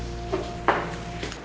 oh ini ada